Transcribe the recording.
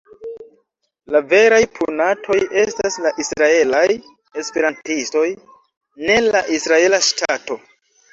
La veraj punatoj estas la israelaj esperantistoj, ne la israela ŝtato.